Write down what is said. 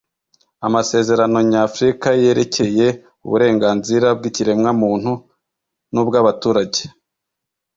amasezerano nyafrika yerekeye uburenganzira bw'ikiremwamuntu n'ubwabaturage